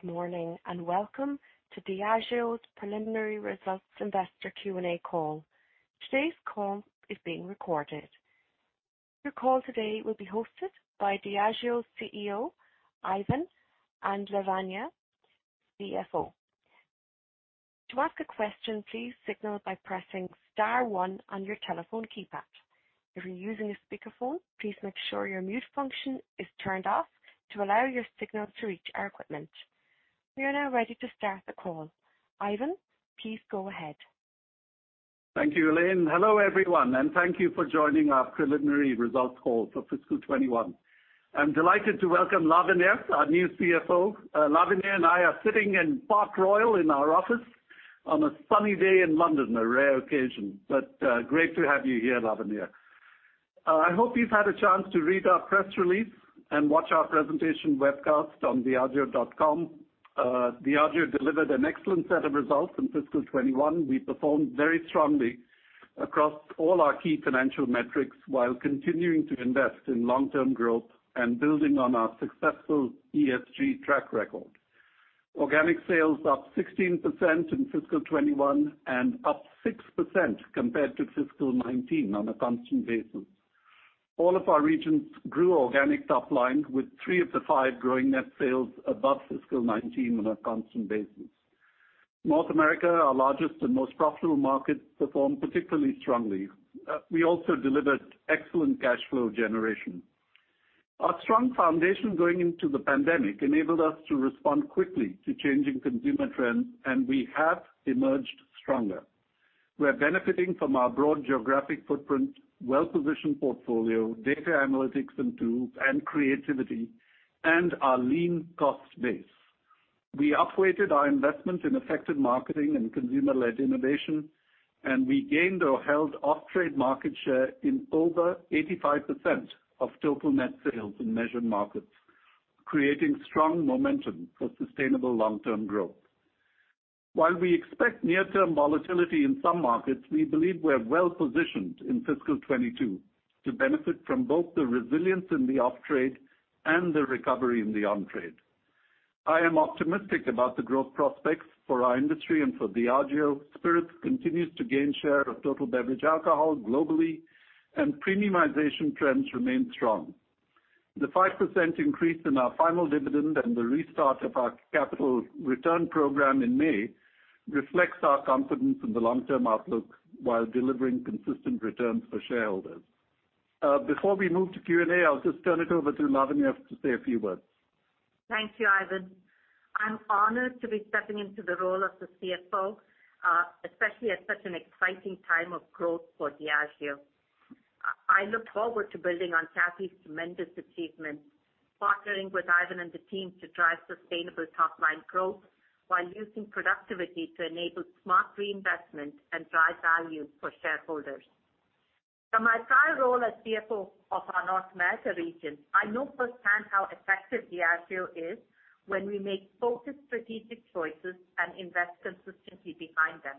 Good morning, and welcome to Diageo's preliminary results investor Q&A call. Today's call is being recorded. Your call today will be hosted by Diageo CEO, Ivan, and Lavanya, CFO. To ask a question, please signal by pressing star one on your telephone keypad. If you're using a speakerphone, please make sure your mute function is turned off to allow your signal to reach our equipment. We are now ready to start the call. Ivan, please go ahead. Thank you, Elaine. Hello, everyone, thank you for joining our preliminary results call for fiscal 2021. I'm delighted to welcome Lavanya, our new CFO. Lavanya and I are sitting in Park Royal in our office on a sunny day in London, a rare occasion. Great to have you here, Lavanya. I hope you've had a chance to read our press release and watch our presentation webcast on diageo.com. Diageo delivered an excellent set of results in fiscal 2021. We performed very strongly across all our key financial metrics while continuing to invest in long-term growth and building on our successful ESG track record. Organic sales up 16% in fiscal 2021 and up 6% compared to fiscal 2019 on a constant basis. All of our regions grew organic top line with three of the five growing net sales above fiscal 2019 on a constant basis. North America, our largest and most profitable market, performed particularly strongly. We also delivered excellent cash flow generation. Our strong foundation going into the pandemic enabled us to respond quickly to changing consumer trends, and we have emerged stronger. We're benefiting from our broad geographic footprint, well-positioned portfolio, data analytics and tools, and creativity, and our lean cost base. We up-weighted our investment in effective marketing and consumer-led innovation, and we gained or held off-trade market share in over 85% of total net sales in measured markets, creating strong momentum for sustainable long-term growth. While we expect near-term volatility in some markets, we believe we're well positioned in fiscal 2022 to benefit from both the resilience in the off-trade and the recovery in the on-trade. I am optimistic about the growth prospects for our industry and for Diageo. Spirits continues to gain share of total beverage alcohol globally, and premiumization trends remain strong. The 5% increase in our final dividend and the restart of our capital return program in May reflects our confidence in the long-term outlook while delivering consistent returns for shareholders. Before we move to Q&A, I'll just turn it over to Lavanya to say a few words. Thank you, Ivan. I'm honored to be stepping into the role of the CFO, especially at such an exciting time of growth for Diageo. I look forward to building on Kathy's tremendous achievements, partnering with Ivan and the team to drive sustainable top-line growth while using productivity to enable smart reinvestment and drive value for shareholders. From my prior role as CFO of our North America region, I know firsthand how effective Diageo is when we make focused strategic choices and invest consistently behind them.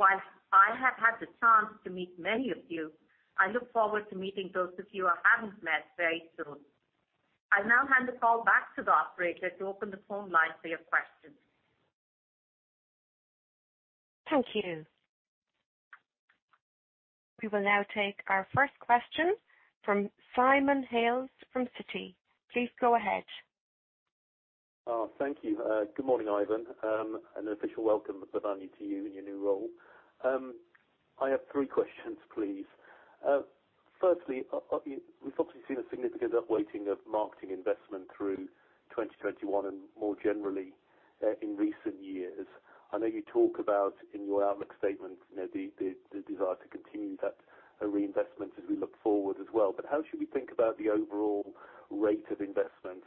While I have had the chance to meet many of you, I look forward to meeting those of you I haven't met very soon. I'll now hand the call back to the operator to open the phone line for your questions. Thank you. We will now take our first question from Simon Hales from Citi. Please go ahead. Thank you. Good morning, Ivan. An official welcome, Lavanya, to you in your new role. I have three questions, please. Firstly, we've obviously seen a significant up-weighting of marketing investment through 2021 and more generally in recent years. I know you talk about, in your outlook statement, the desire to continue that reinvestment as we look forward as well. How should we think about the overall rate of investment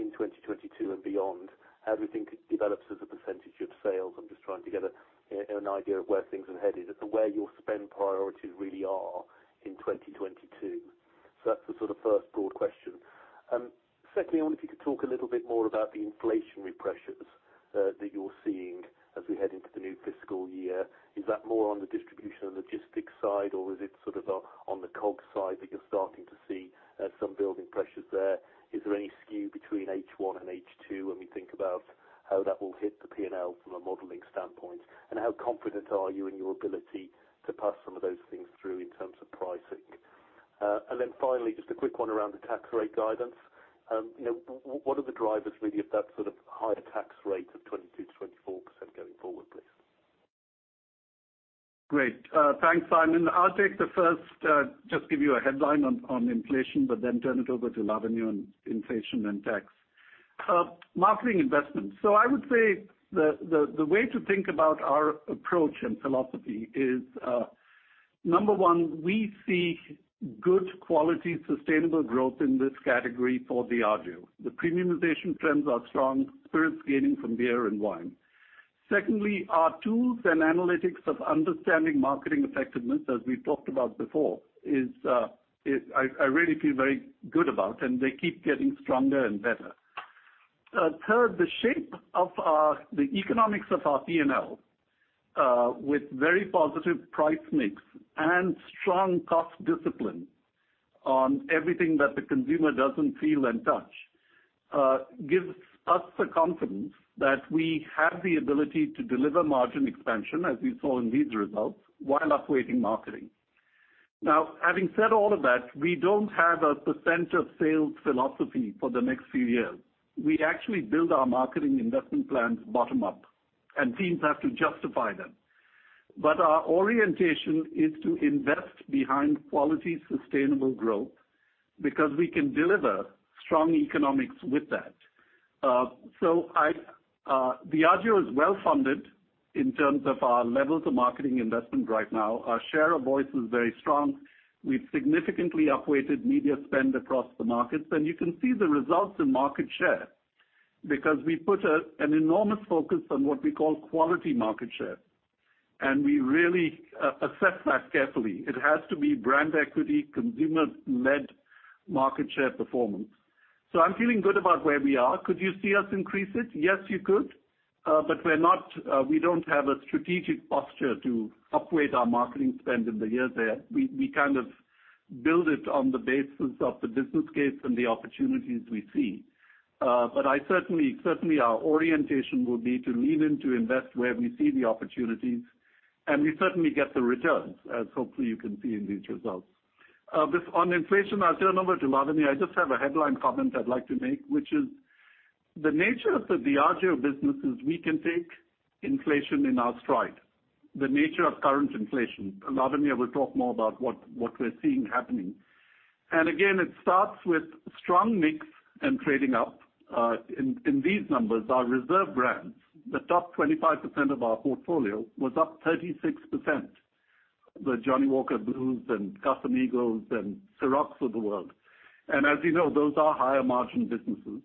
in 2022 and beyond? How do you think it develops as a percentage of sales? I'm just trying to get an idea of where things are headed and where your spend priorities really are in 2022. That's the first broad question. Secondly, I wonder if you could talk a little bit more about the inflationary pressures that you're seeing as we head into the new fiscal year. Is that more on the distribution and logistics side, or is it on the COGS side that you're starting to see some building pressures there? Is there any skew between H1 and H2 when we think about how that will hit the P&L from a modeling standpoint, and how confident are you in your ability to pass some of those things through in terms of pricing? Finally, just a quick one around the tax rate guidance. What are the drivers, really, of that higher tax rate of 22%-24% going forward, please? Great. Thanks, Simon. I'll take the first, just give you a headline on inflation, but then turn it over to Lavanya on inflation and tax. Marketing investment. I would say the way to think about our approach and philosophy is, number one, we see good quality, sustainable growth in this category for Diageo. The premiumization trends are strong, spirits gaining from beer and wine. Secondly, our tools and analytics of understanding marketing effectiveness, as we've talked about before, I really feel very good about, and they keep getting stronger and better. Third, the shape of the economics of our P&L, with very positive price mix and strong cost discipline on everything that the consumer doesn't feel and touch, gives us the confidence that we have the ability to deliver margin expansion, as you saw in these results, while upweighting marketing. Having said all of that, we don't have a percentage of sales philosophy for the next few years. We actually build our marketing investment plans bottom up, and teams have to justify them. Our orientation is to invest behind quality, sustainable growth, because we can deliver strong economics with that. Diageo is well-funded in terms of our levels of marketing investment right now. Our share of voice is very strong. We've significantly upweighted media spend across the markets. You can see the results in market share, because we put an enormous focus on what we call quality market share. We really assess that carefully. It has to be brand equity, consumer-led market share performance. I'm feeling good about where we are. Could you see us increase it? Yes, you could. We don't have a strategic posture to upweight our marketing spend in the years ahead. We kind of build it on the basis of the business case and the opportunities we see. Certainly, our orientation would be to lean in to invest where we see the opportunities, and we certainly get the returns, as hopefully you can see in these results. On inflation, I'll turn over to Lavanya. I just have a headline comment I'd like to make, which is, the nature of the Diageo business is we can take inflation in our stride, the nature of current inflation. Lavanya will talk more about what we're seeing happening. Again, it starts with strong mix and trading up. In these numbers, our reserve brands, the top 25% of our portfolio, was up 36%, the Johnnie Walker Blue Label and Captain Morgan and Cîroc of the world. As you know, those are higher margin businesses.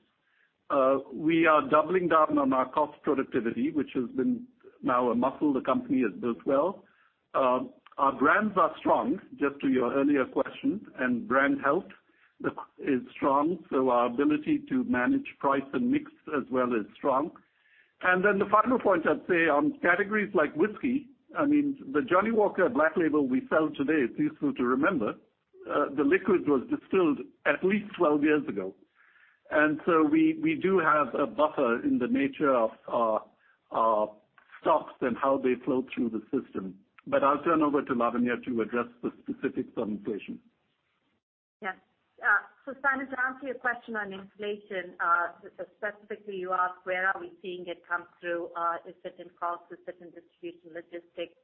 We are doubling down on our cost productivity, which has been now a muscle the company has built well. Our brands are strong, just to your earlier question, and brand health is strong, so our ability to manage price and mix as well is strong. The final point I'd say, on categories like whisky, the Johnnie Walker Black Label we sell today, it's useful to remember, the liquid was distilled at least 12 years ago. So we do have a buffer in the nature of our stocks and how they flow through the system. I'll turn over to Lavanya to address the specifics on inflation. Yes. Simon, to answer your question on inflation, specifically, you asked where are we seeing it come through. Is it in cost? Is it in distribution, logistics?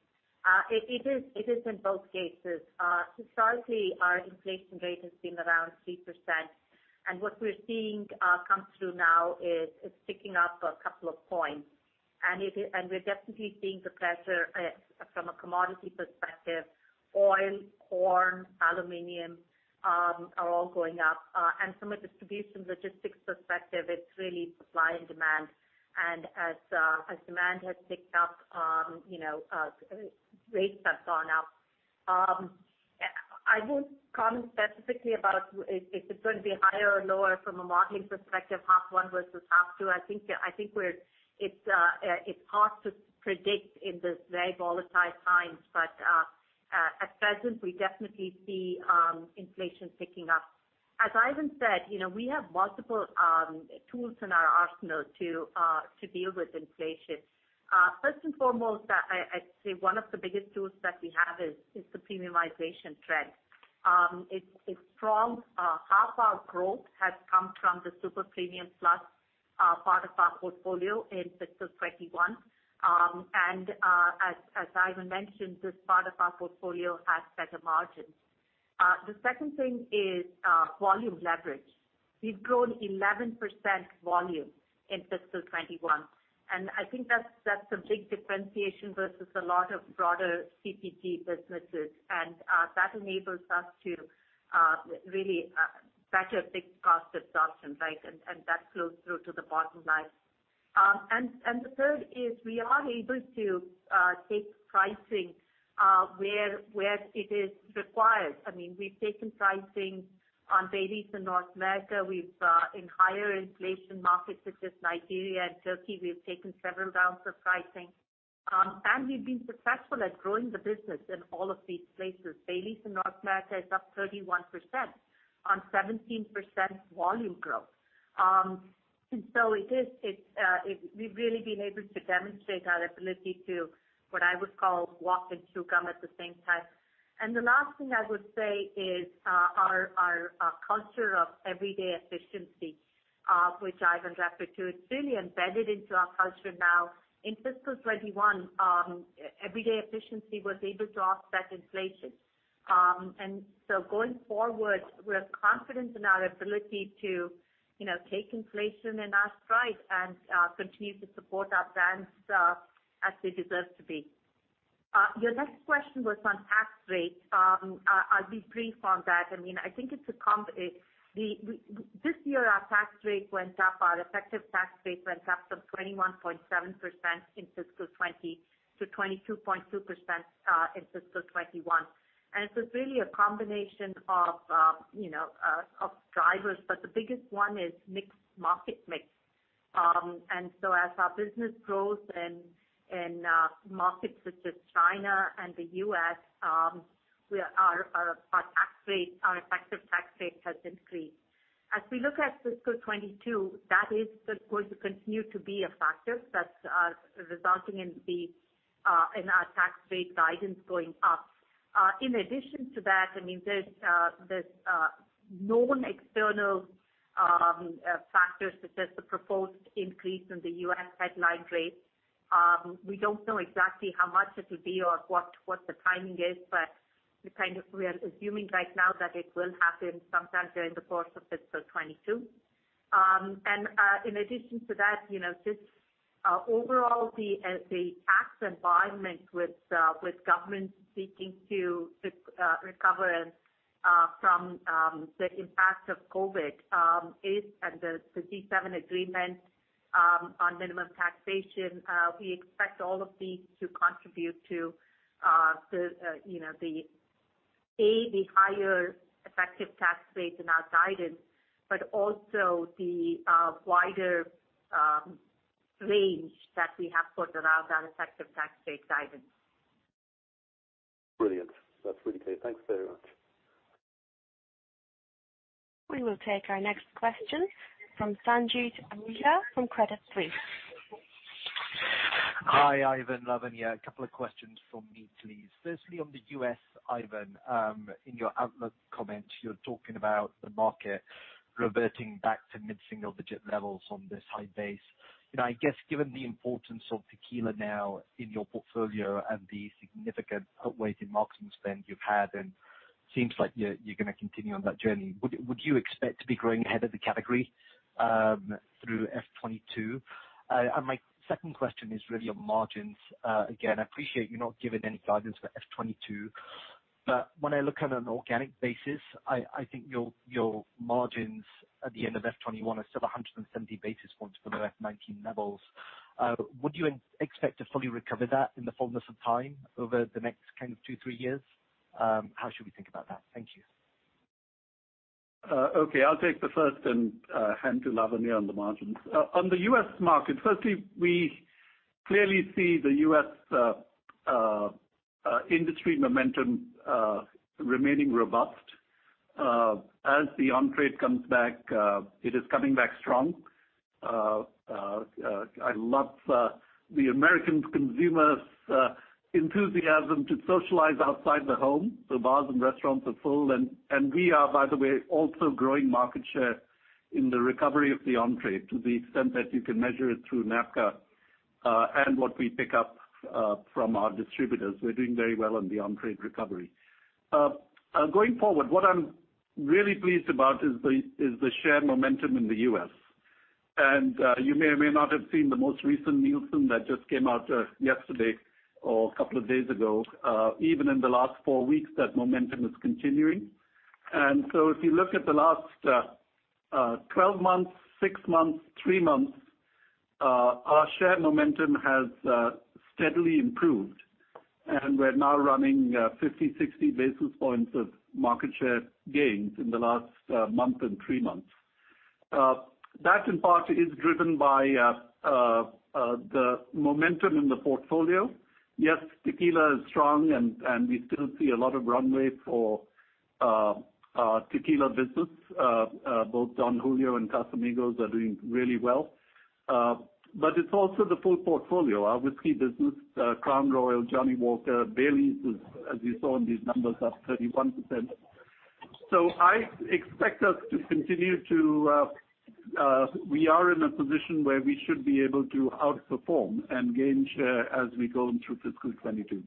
It is in both cases. Historically, our inflation rate has been around 3%, and what we're seeing come through now is it's ticking up a couple of points. We're definitely seeing the pressure from a commodity perspective, oil, corn, aluminum are all going up. From a distribution logistics perspective, it's really supply and demand. As demand has ticked up, rates have gone up. I won't comment specifically about if it's going to be higher or lower from a modeling perspective, half one versus half two. I think it's hard to predict in this very volatile time. At present, we definitely see inflation ticking up. As Ivan said, we have multiple tools in our arsenal to deal with inflation. First and foremost, I'd say one of the biggest tools that we have is the premiumization trend. It's strong. Half our growth has come from the super premium plus part of our portfolio in fiscal 2021. As Ivan mentioned, this part of our portfolio has better margins. The second thing is volume leverage. We've grown 11% volume in fiscal 2021, I think that's a big differentiation versus a lot of broader CPG businesses. That enables us to really better fixed cost absorption, right. That flows through to the bottom line. The third is we are able to take pricing, where it is required. We've taken pricing on Baileys in North America. In higher inflation markets such as Nigeria and Turkey, we've taken several rounds of pricing. We've been successful at growing the business in all of these places. Baileys in North America is up 31%, on 17% volume growth. We've really been able to demonstrate our ability to, what I would call walk and chew gum at the same time. The last thing I would say is our culture of everyday efficiency, which Ivan referred to. It's really embedded into our culture now. In fiscal 2021, everyday efficiency was able to offset inflation. Going forward, we're confident in our ability to take inflation in our stride and continue to support our brands as they deserve to be. Your next question was on tax rates. I'll be brief on that. This year, our tax rate went up, our effective tax rate went up from 21.7% in fiscal 2020 to 22.2% in fiscal 2021. It was really a combination of drivers. The biggest one is market mix. As our business grows in markets such as China and the U.S., our effective tax rate has increased. As we look at fiscal 2022, that is going to continue to be a factor that is resulting in our tax rate guidance going up. In addition to that, there is known external factors such as the proposed increase in the U.S. headline rate. We do not know exactly how much it will be or what the timing is, but we are assuming right now that it will happen sometime during the course of fiscal 2022. In addition to that, just overall the tax environment with governments seeking to recover from the impact of COVID, and the G7 agreement on minimum taxation, we expect all of these to contribute to A, the higher effective tax rate in our guidance, but also the wider range that we have put around our effective tax rate guidance. Brilliant. That's really clear. Thanks very much. We will take our next question from Sanjeet Aujla from Credit Suisse. Hi, Ivan, Lavanya. A couple of questions from me, please. Firstly, on the U.S., Ivan, in your outlook comments, you're talking about the market reverting back to mid-single digit levels on this high base. I guess given the importance of tequila now in your portfolio and the significant outweighing marketing spend you've had, and seems like you're going to continue on that journey, would you expect to be growing ahead of the category through FY 2022? My second question is really on margins. Again, I appreciate you're not giving any guidance for FY 2022, but when I look at an organic basis, I think your margins at the end of FY 2021 are still 170 basis points below FY 2019 levels. Would you expect to fully recover that in the fullness of time over the next two, three years? How should we think about that? Thank you. Okay, I will take the first and hand to Lavanya on the margins. On the U.S. market, firstly, we clearly see the U.S. industry momentum remaining robust. As the on-trade comes back, it is coming back strong. I love the American consumer's enthusiasm to socialize outside the home. Bars and restaurants are full, and we are, by the way, also growing market share in the recovery of the on-trade to the extent that you can measure it through NABCA, and what we pick up from our distributors. We are doing very well on the on-trade recovery. Going forward, what I am really pleased about is the share momentum in the U.S. You may or may not have seen the most recent Nielsen that just came out yesterday or two days ago. Even in the last four weeks, that momentum is continuing. If you look at the last 12 months, six months, three months, our share momentum has steadily improved, and we're now running 50, 60 basis points of market share gains in the last month and three months. That, in part, is driven by the momentum in the portfolio. Yes, tequila is strong, and we still see a lot of runway for our tequila business. Both Don Julio and Casamigos are doing really well. It's also the full portfolio. Our whiskey business, Crown Royal, Johnnie Walker, Baileys, as you saw in these numbers, up 31%. We are in a position where we should be able to outperform and gain share as we go through fiscal 2022.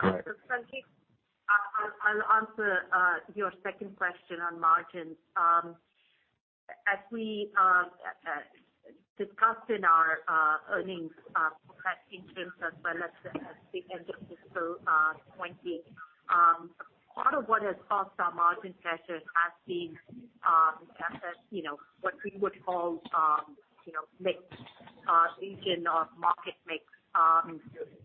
Sanjeet, I'll answer your second question on margins. As we discussed in our earnings progress in terms of where we ended fiscal 2020, part of what has caused our margin pressures has been what we would call mix, region of market mix.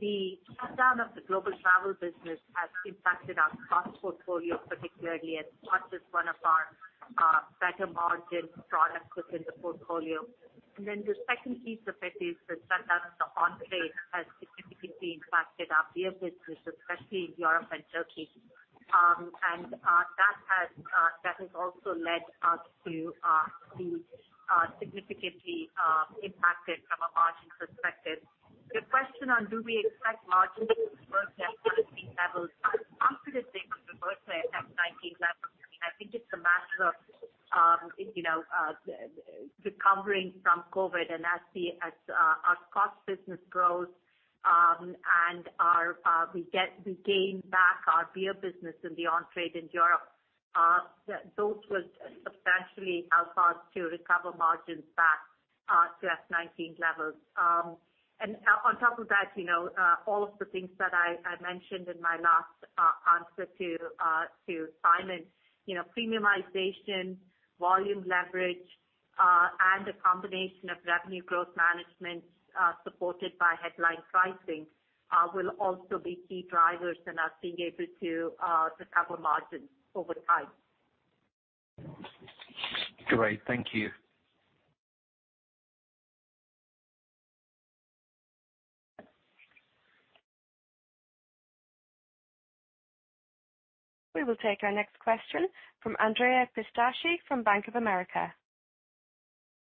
The shutdown of the global travel business has impacted our cross portfolio particularly, that is one of our better margin products within the portfolio. The second piece of it is the shutdown of the on-trade has significantly impacted our beer business, especially in Europe and Turkey. That has also led us to be significantly impacted from a margin perspective. Your question on do we expect margins to reverse back to pre-2019 levels? I'm confident they will reverse to FY 2019 levels. I think it's a matter of recovering from COVID, as our cost business grows, and we gain back our beer business in the on-trade in Europe, those will substantially help us to recover margins back to FY 2019 levels. On top of that, all of the things that I mentioned in my last answer to Simon, premiumization, volume leverage, and a combination of revenue growth management supported by headline pricing will also be key drivers in us being able to recover margins over time. Great. Thank you. We will take our next question from Andrea Pistacchi from Bank of America.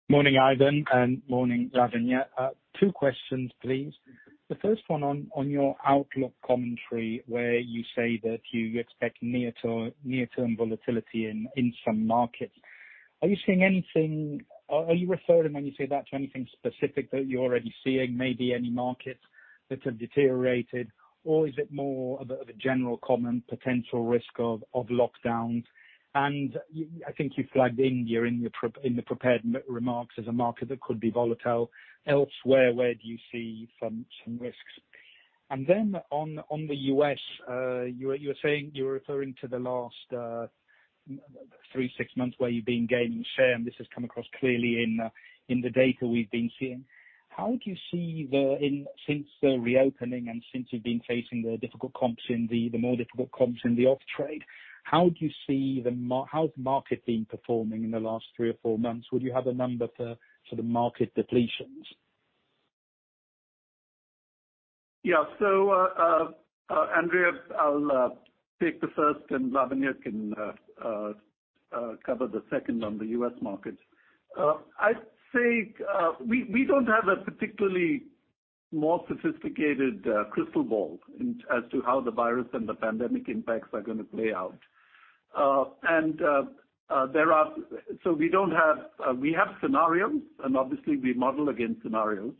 Morning, Ivan, and morning, Lavanya. Two questions, please. The first one on your outlook commentary, where you say that you expect near-term volatility in some markets. Are you referring when you say that to anything specific that you're already seeing, maybe any markets that have deteriorated, or is it more of a general comment, potential risk of lockdowns? I think you flagged India in the prepared remarks as a market that could be volatile. Elsewhere, where do you see some risks? Then on the U.S., you were referring to the last three, six months where you've been gaining share, and this has come across clearly in the data we've been seeing. Since the reopening and since you've been facing the more difficult comps in the off-trade, how's the market been performing in the last three or four months? Would you have a number for the market depletions? Yeah. Andrea Pistacchi, I'll take the first, and Lavanya Chandrashekar can cover the second on the U.S. market. I'd say we don't have a particularly more sophisticated crystal ball as to how the virus and the pandemic impacts are going to play out. We have scenarios, and obviously, we model against scenarios.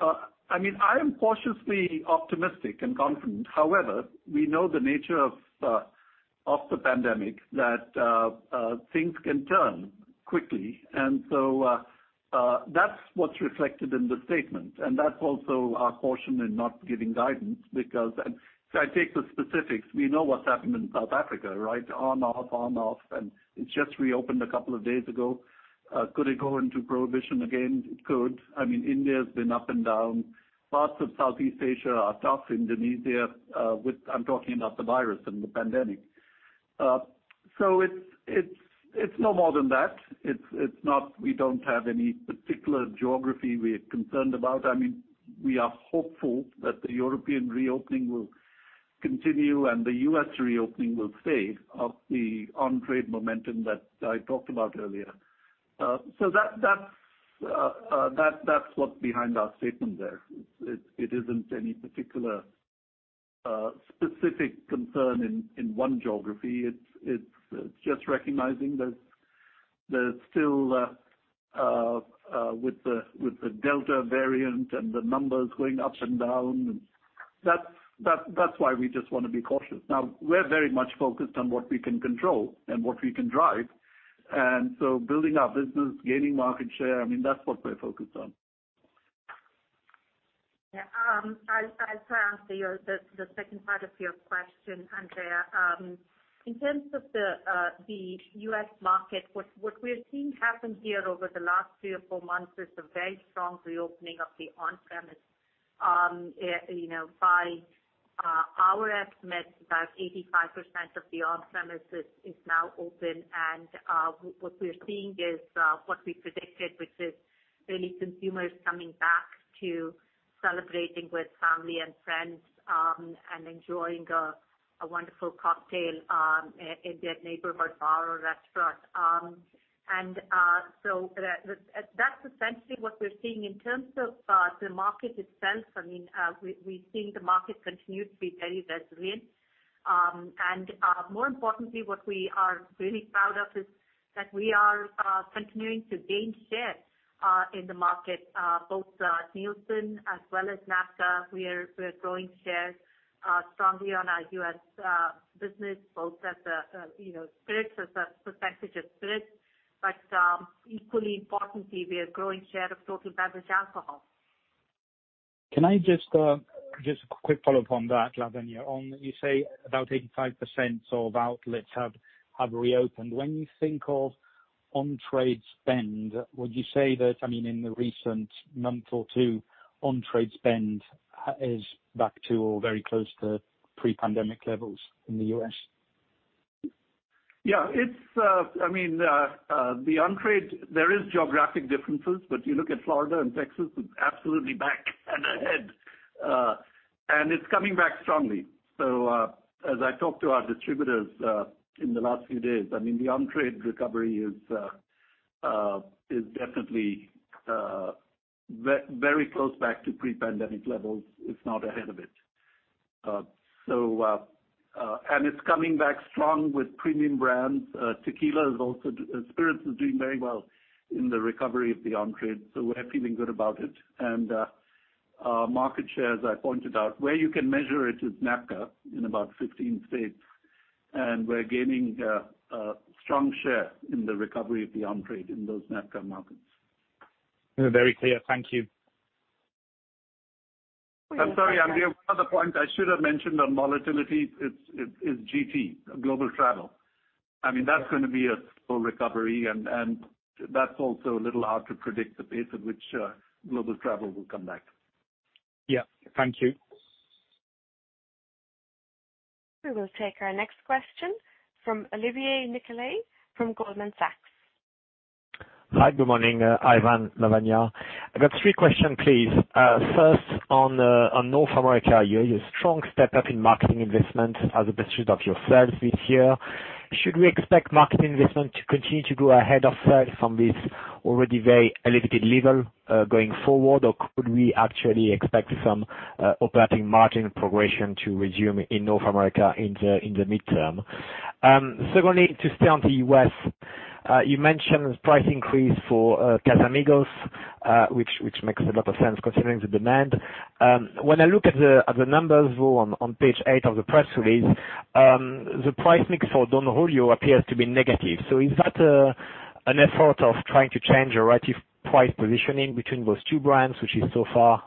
I am cautiously optimistic and confident. However, we know the nature of the pandemic, that things can turn quickly, and so that's what's reflected in the statement. That's also our caution in not giving guidance because if I take the specifics, we know what's happened in South Africa, right? On, off, on, off, and it just reopened a couple of days ago. Could it go into prohibition again? It could. India's been up and down. Parts of Southeast Asia are tough. Indonesia. I'm talking about the virus and the pandemic. It's no more than that. We don't have any particular geography we're concerned about. We are hopeful that the European reopening will continue and the U.S. reopening will save the on-trade momentum that I talked about earlier. That's what's behind our statement there. It isn't any specific concern in one geography. It's just recognizing that there's still, with the Delta variant and the numbers going up and down. That's why we just want to be cautious. We're very much focused on what we can control and what we can drive, building our business, gaining market share, that's what we're focused on. I'll try to answer the second part of your question, Andrea. In terms of the U.S. market, what we're seeing happen here over the last three or four months is the very strong reopening of the on-premise. By our estimate, about 85% of the on-premises is now open, and what we're seeing is what we predicted, which is really consumers coming back to celebrating with family and friends, and enjoying a wonderful cocktail in their neighborhood bar or restaurant. That's essentially what we're seeing. In terms of the market itself, we're seeing the market continue to be very resilient. More importantly, what we are really proud of is that we are continuing to gain share in the market. Both Nielsen as well as NABCA, we are growing shares strongly on our U.S. business, both as a percentage of spirits. Equally importantly, we are growing share of total beverage alcohol. Quick follow-up on that, Lavanya. You say about 85% of outlets have reopened. When you think of on-trade spend, would you say that in the recent month or two, on-trade spend is back to or very close to pre-pandemic levels in the U.S.? Yeah. The on-trade, there is geographic differences, but you look at Florida and Texas, it is absolutely back and ahead. It is coming back strongly. As I talked to our distributors in the last few days, the on-trade recovery is definitely very close back to pre-pandemic levels, if not ahead of it. It is coming back strong with premium brands. Tequila and spirits is doing very well in the recovery of the on-trade, so we are feeling good about it. Market share, as I pointed out, where you can measure it is NABCA in about 15 states. We are gaining strong share in the recovery of the on-trade in those NABCA markets. Very clear. Thank you. I'm sorry, Andrea. One other point I should have mentioned on volatility is GT, Global Travel. I mean, that's going to be a slow recovery, and that's also a little hard to predict the pace at which global travel will come back. Yeah. Thank you. We will take our next question from Olivier Nicolai from Goldman Sachs. Hi, good morning, Ivan, Lavanya. I've got three question, please. First, on North America, you had a strong step up in marketing investment as a percentage of your sales this year. Should we expect marketing investment to continue to grow ahead of sales from this already very elevated level, going forward? Or could we actually expect some operating margin progression to resume in North America in the midterm? Secondly, to stay on the U.S., you mentioned price increase for Casamigos, which makes a lot of sense considering the demand. When I look at the numbers, though, on page eight of the press release, the price mix for Don Julio appears to be negative. Is that an effort of trying to change a relative price positioning between those two brands, which is so far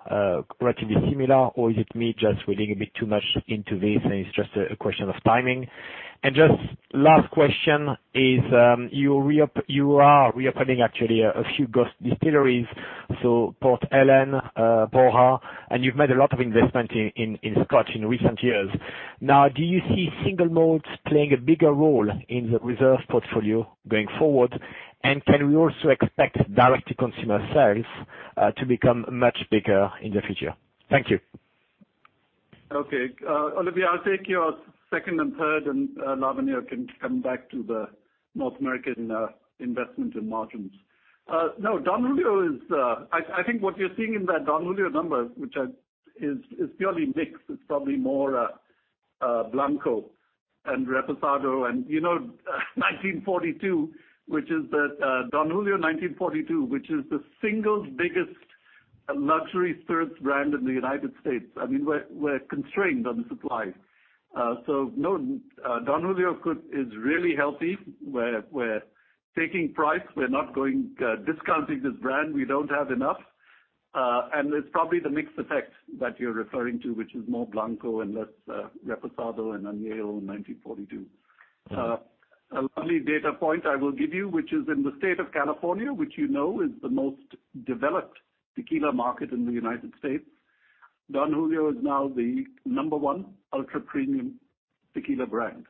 relatively similar? Is it me just reading a bit too much into this, and it's just a question of timing? Just last question is, you are reopening actually a few ghost distilleries. Port Ellen, Brora, and you've made a lot of investment in Scotch in recent years. Do you see single malts playing a bigger role in the reserves portfolio going forward? Can we also expect direct to consumer sales to become much bigger in the future? Thank you. Okay. Olivier, I'll take your second and third, and Lavanya can come back to the North American investment in margins. No, Don Julio is I think what you're seeing in that Don Julio number, which is purely mix. It's probably more Blanco and Reposado and 1942, Don Julio 1942, which is the single biggest luxury spirits brand in the U.S. I mean, we're constrained on the supply. No, Don Julio is really healthy. We're taking price. We're not going discounting this brand. We don't have enough. It's probably the mix effect that you're referring to, which is more Blanco and less Reposado and Añejo and 1942. A lovely data point I will give you, which is in the state of California, which you know is the most developed tequila market in the U.S., Don Julio is now the number one ultra-premium tequila brand.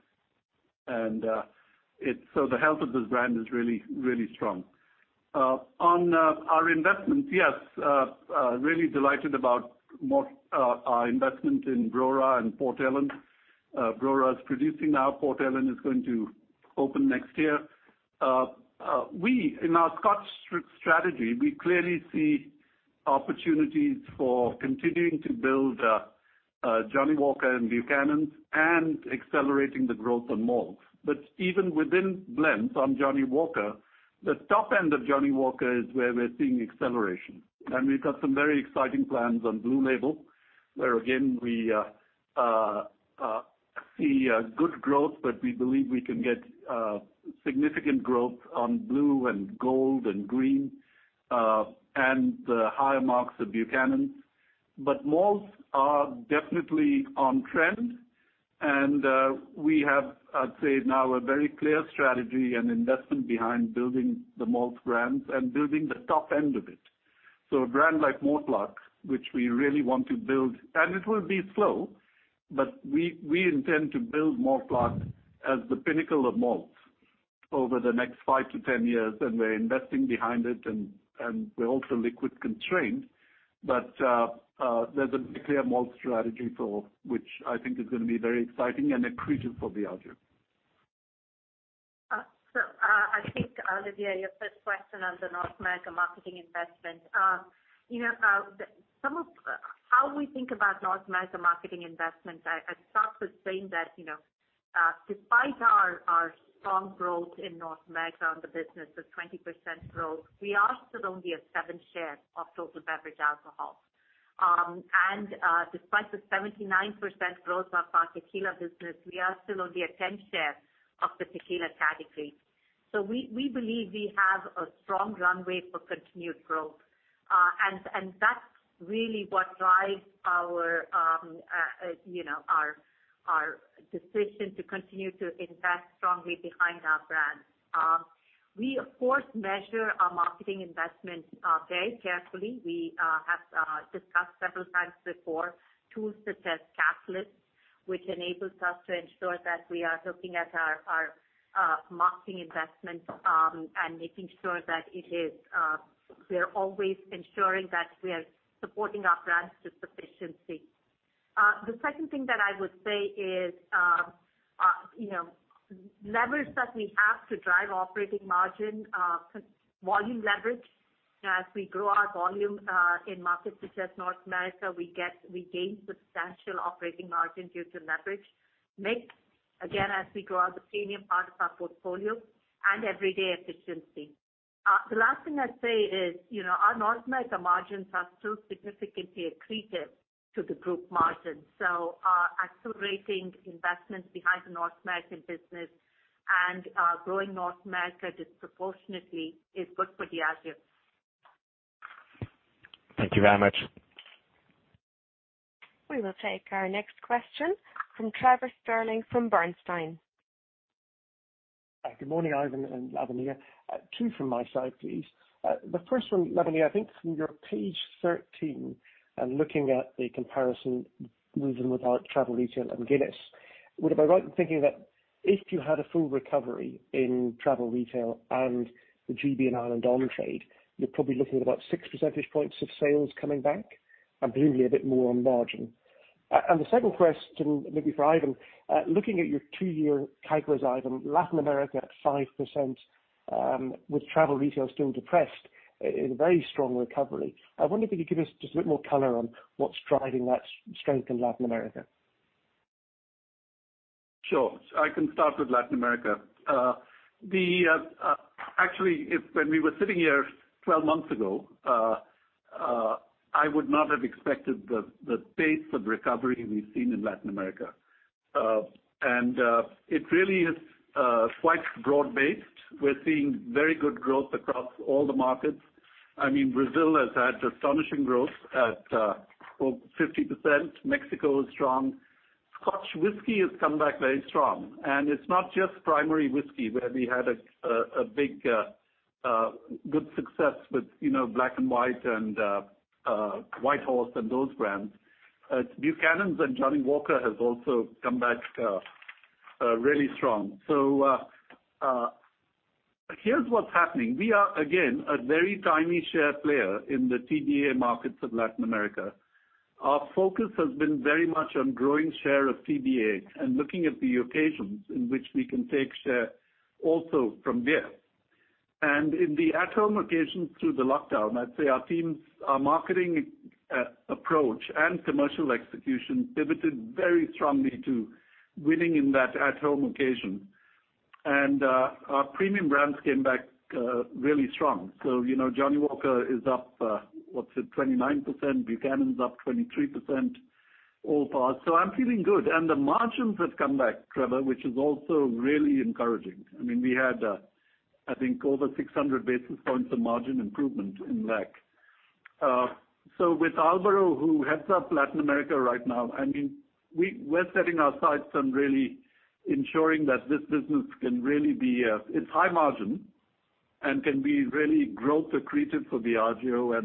The health of this brand is really, really strong. On our investment, yes, really delighted about our investment in Brora and Port Ellen. Brora's producing now. Port Ellen is going to open next year. In our Scotch strategy, we clearly see opportunities for continuing to build Johnnie Walker and Buchanan's and accelerating the growth on malt. Even within blends on Johnnie Walker, the top end of Johnnie Walker is where we're seeing acceleration. We've got some very exciting plans on Blue Label, where again, we see good growth, but we believe we can get significant growth on Blue and Gold and Green, and the higher marques of Buchanan. Malts are definitely on trend, and we have, I'd say now, a very clear strategy and investment behind building the malt brands and building the top end of it. A brand like Mortlach, which we really want to build, and it will be slow, but we intend to build Mortlach as the pinnacle of malts over the next 5-10 years, and we're investing behind it, and we're also liquid constrained. There's a clear malt strategy for which I think is going to be very exciting and accretive for Diageo. I think, Olivier, your first question on the North America marketing investment. How we think about North America marketing investment, I start with saying that despite our strong growth in North America on the business of 20% growth, we are still only a seven share of total beverage alcohol. Despite the 79% growth of our tequila business, we are still only a 10 share of the tequila category. We believe we have a strong runway for continued growth. That's really what drives our decision to continue to invest strongly behind our brands. We, of course, measure our marketing investment very carefully. We have discussed several times before tools such as Catalyst, which enables us to ensure that we are looking at our marketing investment, and making sure that we're always ensuring that we are supporting our brands to sufficiency. The second thing that I would say is, leverage that we have to drive operating margin, volume leverage. As we grow our volume, in markets such as North America, we gain substantial operating margin due to leverage. Mix, again, as we grow out the premium part of our portfolio, and everyday efficiency. The last thing I'd say is, our North America margins are still significantly accretive to the group margin. Our accelerating investments behind the North American business and our growing North America disproportionately is good for Diageo. Thank you very much. We will take our next question from Trevor Stirling from Bernstein. Good morning, Ivan and Lavanya. Two from my side, please. The first one, Lavanya, I think from your page 13, looking at the comparison with and without travel retail and Guinness. Would I be right in thinking that if you had a full recovery in travel retail and the G.B. and Ireland on-trade, you're probably looking at about 6 percentage points of sales coming back and presumably a bit more on margin? The second question, maybe for Ivan. Looking at your two-year CAGR, Ivan, Latin America at 5% with travel retail still depressed is a very strong recovery. I wonder if you could give us just a bit more color on what's driving that strength in Latin America. Sure. I can start with Latin America. Actually, when we were sitting here 12 months ago, I would not have expected the pace of recovery we've seen in Latin America. It really is quite broad-based. We're seeing very good growth across all the markets. Brazil has had astonishing growth at, well, 50%. Mexico is strong. Scotch whisky has come back very strong. It's not just primary whisky, where we had a big good success with Black & White and White Horse and those brands. Buchanan's and Johnnie Walker has also come back really strong. Here's what's happening. We are, again, a very tiny share player in the TBA markets of Latin America. Our focus has been very much on growing share of TBA and looking at the occasions in which we can take share also from beer. In the at-home occasions through the lockdown, I'd say our marketing approach and commercial execution pivoted very strongly to winning in that at-home occasion. Our premium brands came back really strong. Johnnie Walker is up, what's it, 29%, Buchanan's up 23%, all parts. I'm feeling good. The margins have come back, Trevor, which is also really encouraging. We had, I think, over 600 basis points of margin improvement in LAC. With Alvaro, who heads up Latin America right now, we're setting our sights on really ensuring that this business can really be high margin and can be really growth accretive for Diageo.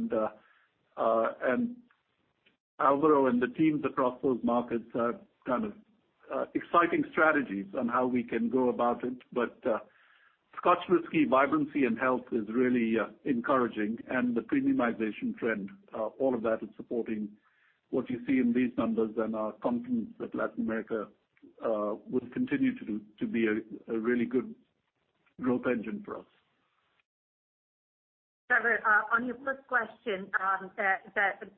Alvaro and the teams across those markets have kind of exciting strategies on how we can go about it. Scotch whisky vibrancy and health is really encouraging, and the premiumization trend, all of that is supporting what you see in these numbers and our confidence that Latin America will continue to be a really good growth engine for us. Trevor, on your first question,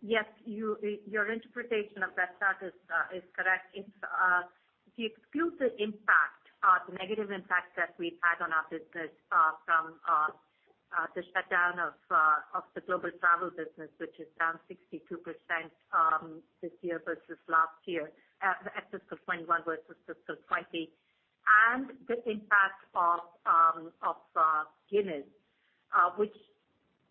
yes, your interpretation of that chart is correct. If you exclude the negative impact that we've had on our business from the shutdown of the global travel business, which is down 62% this year versus last year, fiscal 2021 versus fiscal 2020, and the impact of Guinness, which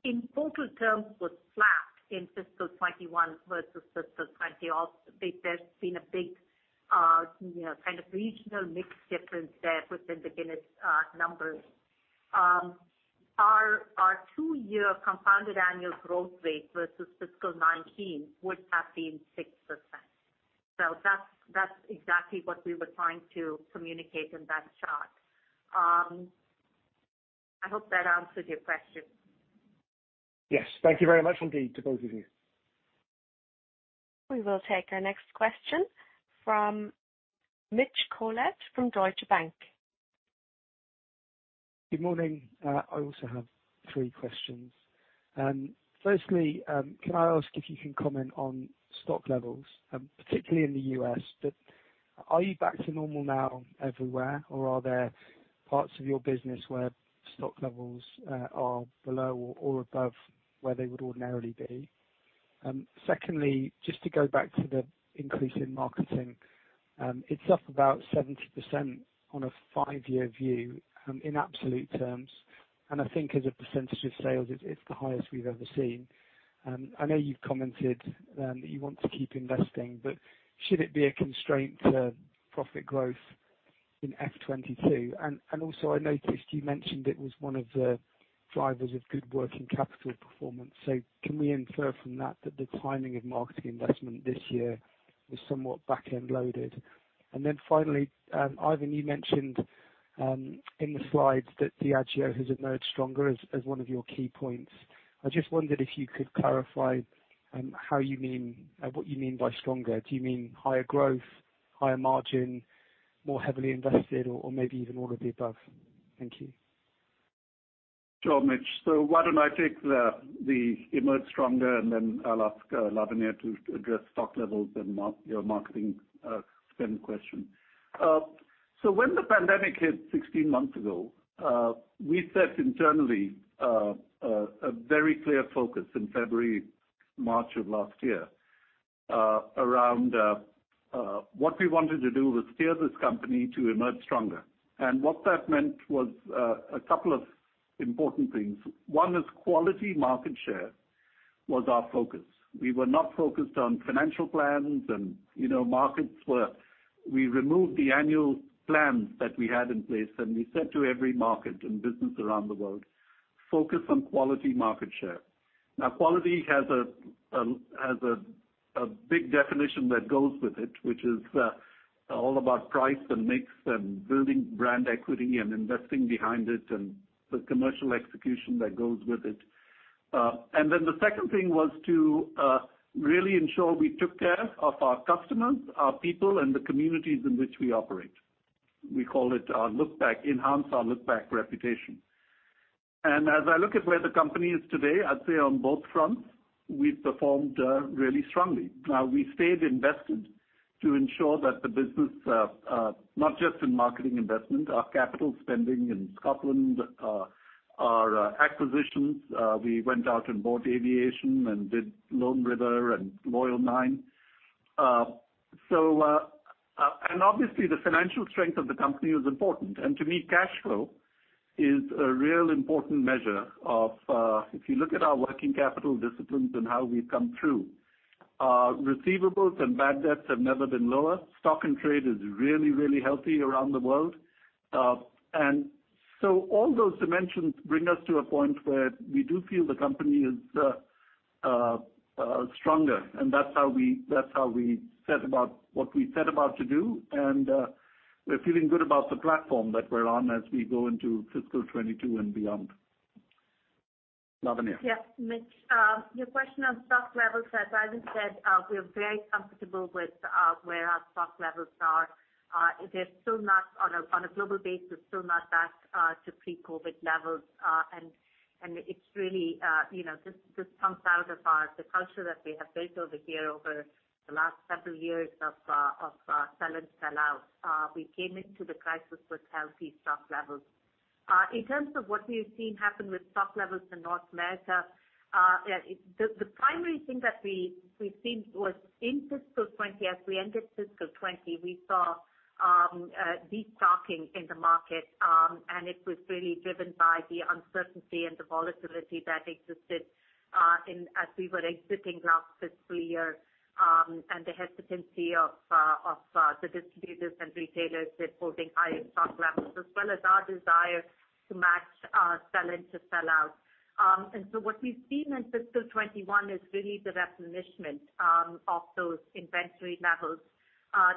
in total terms was flat in fiscal 2021 versus fiscal 2020. There's been a big kind of regional mix difference there within the Guinness numbers. Our two-year compound annual growth rate versus fiscal 2019 would have been 6%. That's exactly what we were trying to communicate in that chart. I hope that answered your question. Yes. Thank you very much indeed to both of you. We will take our next question from Mitch Collett from Deutsche Bank. Good morning. I also have three questions. Firstly, can I ask if you can comment on stock levels, particularly in the U.S., but are you back to normal now everywhere, or are there parts of your business where stock levels are below or above where they would ordinarily be? Secondly, just to go back to the increase in marketing. It's up about 70% on a five-year view, in absolute terms. I think as a percentage of sales, it's the highest we've ever seen. I know you've commented that you want to keep investing, but should it be a constraint to profit growth in FY 2022? Also, I noticed you mentioned it was one of the drivers of good working capital performance. Can we infer from that the timing of marketing investment this year is somewhat back-end loaded? Finally, Ivan, you mentioned in the slides that Diageo has emerged stronger as one of your key points. I just wondered if you could clarify what you mean by stronger? Do you mean higher growth, higher margin, more heavily invested, or maybe even all of the above? Thank you. Sure, Mitch. Why don't I take the emerge stronger, and then I'll ask Lavanya to address stock levels and your marketing spend question. When the pandemic hit 16 months ago, we set internally a very clear focus in February, March of last year around. What we wanted to do was steer this company to emerge stronger. What that meant was a couple of important things. One is quality market share was our focus. We were not focused on financial plans and markets where we removed the annual plans that we had in place, and we said to every market and business around the world, "Focus on quality market share." Now, quality has a big definition that goes with it, which is all about price and mix and building brand equity and investing behind it, and the commercial execution that goes with it. The second thing was to really ensure we took care of our customers, our people, and the communities in which we operate. We call it enhance our lookback reputation. As I look at where the company is today, I'd say on both fronts, we've performed really strongly. Now, we stayed invested to ensure that the business, not just in marketing investment, our capital spending in Scotland, our acquisitions, we went out and bought Aviation and did Lone River and Loyal 9. Obviously, the financial strength of the company is important. To me, cash flow is a real important measure of, if you look at our working capital disciplines and how we've come through. Receivables and bad debts have never been lower. Stock in trade is really, really healthy around the world. All those dimensions bring us to a point where we do feel the company is stronger, and that's how we set about what we set about to do. We're feeling good about the platform that we're on as we go into fiscal 2022 and beyond. Lavanya? Yes, Mitch. Your question on stock levels, as Ivan said, we are very comfortable with where our stock levels are. On a global basis, still not back to pre-COVID levels. This comes out of the culture that we have built over here over the last several years of sell in, sell out. We came into the crisis with healthy stock levels. In terms of what we've seen happen with stock levels in North America, the primary thing that we've seen was in fiscal 2020, as we ended fiscal 2020, we saw de-stocking in the market, and it was really driven by the uncertainty and the volatility that existed as we were exiting last fiscal year, and the hesitancy of the distributors and retailers with holding higher stock levels as well as our desire to match our sell in to sell out. What we've seen in fiscal 2021 is really the replenishment of those inventory levels.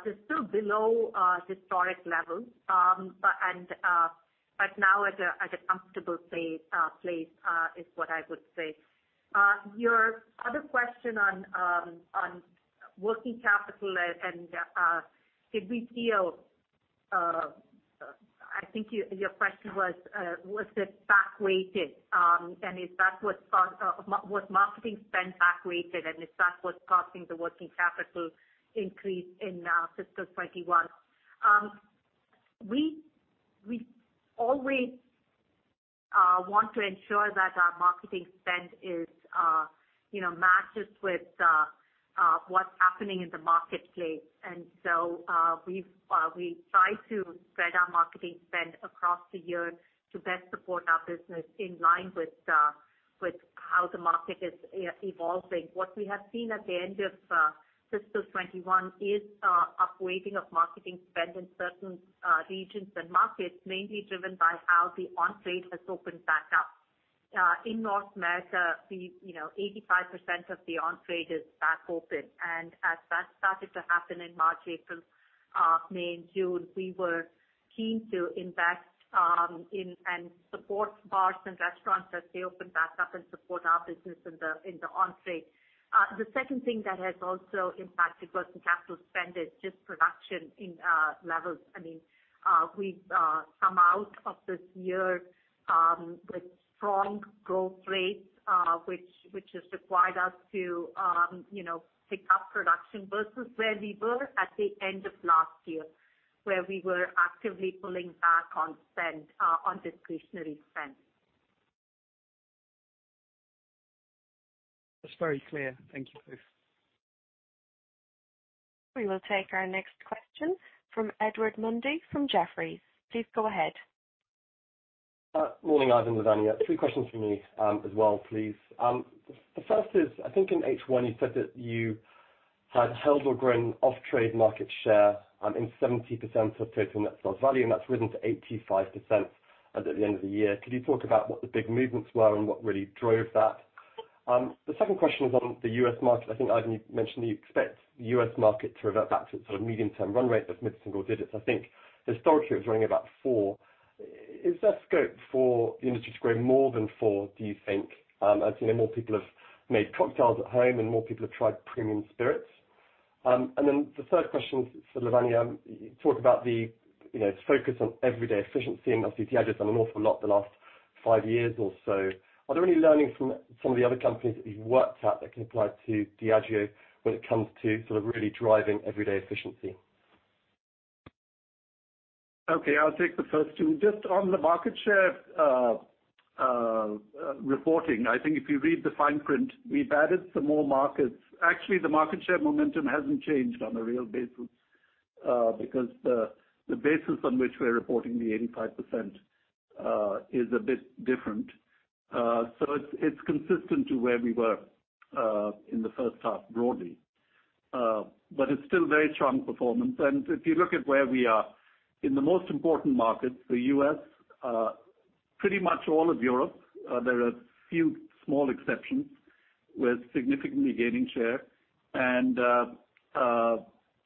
They're still below historic levels. Now at a comfortable place, is what I would say. Your other question on working capital, did we feel was it back weighted? Was marketing spend back weighted, and if that was causing the working capital increase in fiscal 2021. We always want to ensure that our marketing spend matches with what's happening in the marketplace. We try to spread our marketing spend across the year to best support our business in line with how the market is evolving. What we have seen at the end of fiscal 2021 is up-weighting of marketing spend in certain regions and markets, mainly driven by how the on-trade has opened back up. In North America, 85% of the on-trade is back open. As that started to happen in March, April, May and June, we were keen to invest in and support bars and restaurants as they opened back up and support our business in the on-trade. The second thing that has also impacted working capital spend iS just production in levels. We've come out of this year with strong growth rates, which has required us to pick up production versus where we were at the end of last year, where we were actively pulling back on discretionary spend. That's very clear. Thank you both. We will take our next question from Edward Mundy from Jefferies. Please go ahead. Morning, Ivan, Lavanya. Three questions from me as well, please. The first is, I think in H1 you said that you had held or grown off-trade market share in 70% of total net sales value, and that's risen to 85% at the end of the year. Could you talk about what the big movements were and what really drove that? The second question is on the U.S. market. I think, Ivan, you mentioned that you expect the U.S. market to revert back to its sort of medium-term run rate of mid-single digits. I think historically it was running about four. Is there scope for the industry to grow more than four, do you think? As more people have made cocktails at home and more people have tried premium spirits. Then the third question for Lavanya, you talk about the focus on everyday efficiency, and obviously, Diageo's done an awful lot the last five years or so. Are there any learnings from some of the other companies that you've worked at that can apply to Diageo when it comes to sort of really driving everyday efficiency? Okay, I'll take the first two. Just on the market share reporting, I think if you read the fine print, we've added some more markets. Actually, the market share momentum hasn't changed on a real basis, because the basis on which we're reporting the 85% is a bit different. It's consistent to where we were in the first half broadly. It's still very strong performance. If you look at where we are, in the most important markets, the U.S., pretty much all of Europe, there are a few small exceptions. We're significantly gaining share.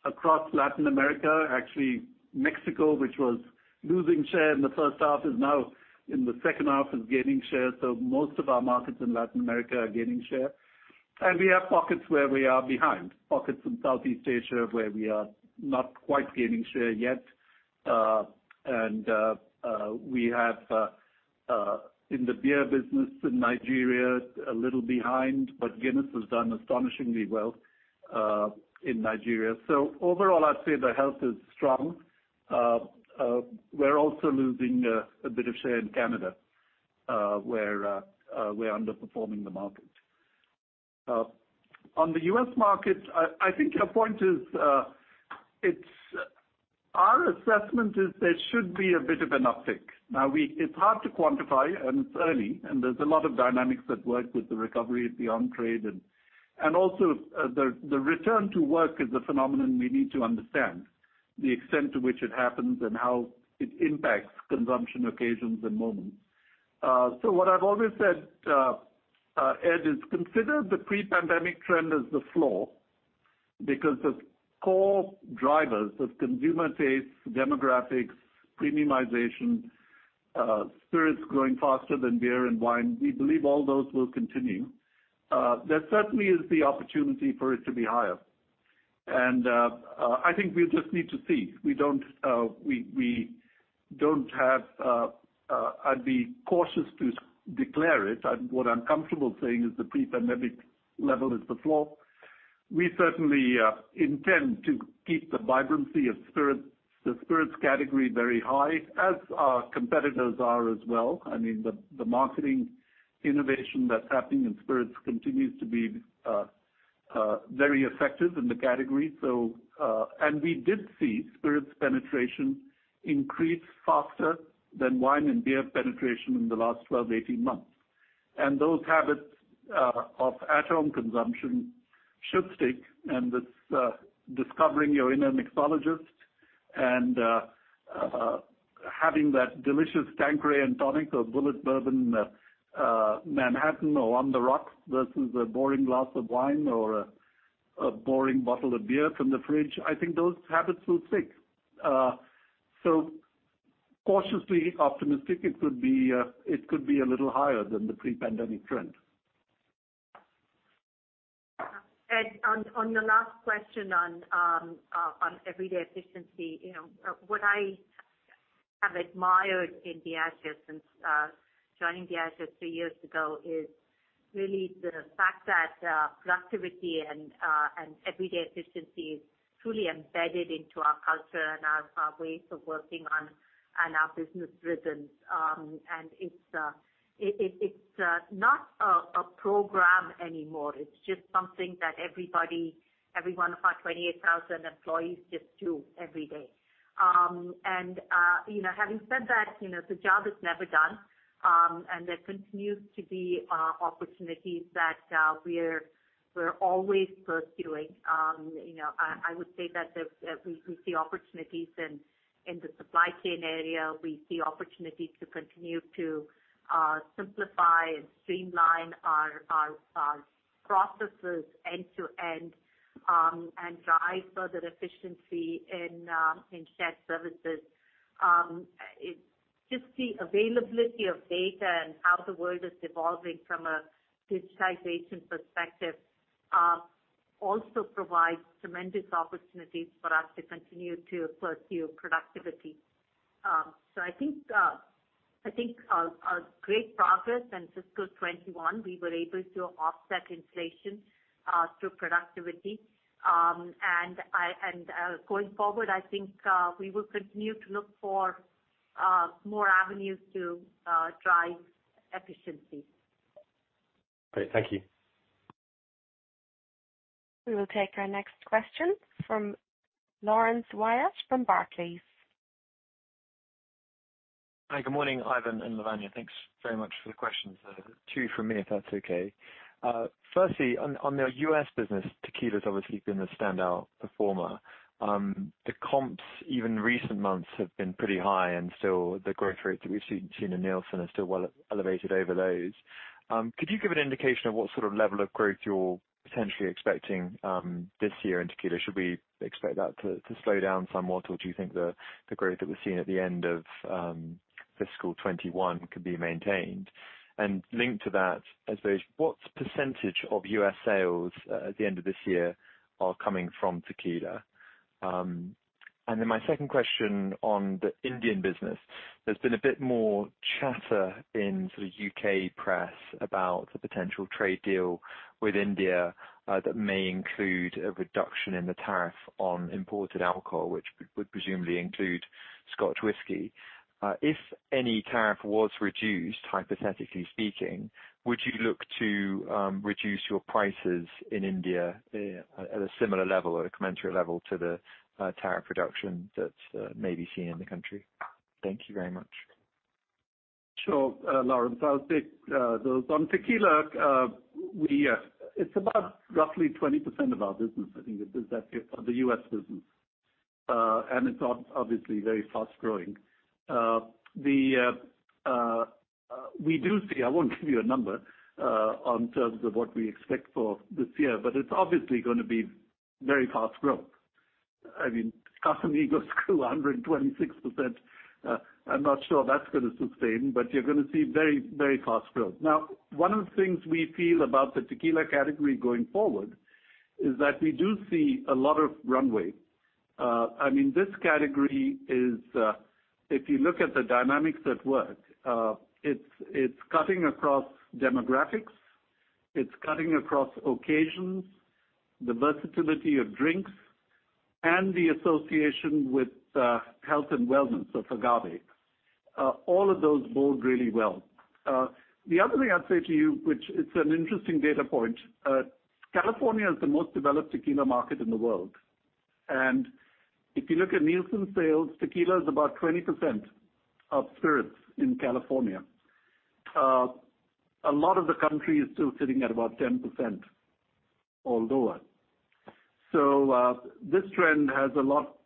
Across Latin America, actually Mexico, which was losing share in the first half, is now in the second half is gaining share. Most of our markets in Latin America are gaining share. We have pockets where we are behind, pockets in Southeast Asia where we are not quite gaining share yet. We have, in the beer business in Nigeria, a little behind, but Guinness has done astonishingly well in Nigeria. Overall, I'd say the health is strong. We're also losing a bit of share in Canada, where we're underperforming the market. On the U.S. market, I think your point is Our assessment is there should be a bit of an uptick. It's hard to quantify, and it's early, and there's a lot of dynamics at work with the recovery of the on-trade. Also, the return to work is a phenomenon we need to understand the extent to which it happens and how it impacts consumption occasions and moments. What I've always said, Ed, is consider the pre-pandemic trend as the floor, because the core drivers of consumer taste, demographics, premiumization, spirits growing faster than beer and wine, we believe all those will continue. There certainly is the opportunity for it to be higher. I think we'll just need to see. I'd be cautious to declare it. What I'm comfortable saying is the pre-pandemic level is the floor. We certainly intend to keep the vibrancy of the spirits category very high as our competitors are as well. The marketing innovation that's happening in spirits continues to be very effective in the category. We did see spirits penetration increase faster than wine and beer penetration in the last 12-18 months. Those habits of at-home consumption should stick. This discovering your inner mixologist and having that delicious Tanqueray and tonic or Bulleit Bourbon Manhattan or on the rocks versus a boring glass of wine or a boring bottle of beer from the fridge, I think those habits will stick. Cautiously optimistic, it could be a little higher than the pre-pandemic trend. Edward, on your last question on everyday efficiency, what I have admired in Diageo since joining Diageo three years ago is really the fact that productivity and everyday efficiency is truly embedded into our culture and our ways of working and our business reasons. It's not a program anymore. It's just something that every one of our 28,000 employees just do every day. Having said that, the job is never done. There continues to be opportunities that we're always pursuing. I would say that we see opportunities in the supply chain area. We see opportunities to continue to simplify and streamline our processes end to end, and drive further efficiency in shared services. Just the availability of data and how the world is evolving from a digitization perspective also provides tremendous opportunities for us to continue to pursue productivity. I think great progress in fiscal 2021, we were able to offset inflation through productivity. Going forward, I think we will continue to look for more avenues to drive efficiency. Great. Thank you. We will take our next question from Laurence Whyatt from Barclays. Hi, good morning, Ivan and Lavanya. Thanks very much for the questions. Two from me, if that's okay. Firstly, on the U.S. business, tequila's obviously been the standout performer. The comps, even recent months, have been pretty high. Still the growth rates that we've seen in Nielsen are still well elevated over those. Could you give an indication of what sort of level of growth you're potentially expecting this year in tequila? Should we expect that to slow down somewhat, or do you think the growth that we're seeing at the end of fiscal 2021 could be maintained? Linked to that, I suppose, what % of U.S. sales at the end of this year are coming from tequila? Then my second question on the Indian business. There's been a bit more chatter in U.K. press about the potential trade deal with India that may include a reduction in the tariff on imported alcohol, which would presumably include Scotch whisky. If any tariff was reduced, hypothetically speaking, would you look to reduce your prices in India at a similar level or a commensurate level to the tariff reduction that may be seen in the country? Thank you very much. Sure, Laurence. I'll take those. On Tequila, it's about roughly 20% of our business, I think, of the U.S. business. It's obviously very fast-growing. We do see, I won't give you a number, on terms of what we expect for this year, but it's obviously going to be very fast growth. Casamigos grew 126%. I'm not sure that's going to sustain, but you're going to see very fast growth. One of the things we feel about the Tequila category going forward is that we do see a lot of runway. This category is, if you look at the dynamics at work, it's cutting across demographics, it's cutting across occasions, the versatility of drinks, and the association with health and wellness of agave. All of those bode really well. The other thing I'd say to you, which it's an interesting data point, California is the most developed Tequila market in the world. If you look at Nielsen sales, Tequila is about 20% of spirits in California. A lot of the country is still sitting at about 10% or lower. This trend has a lot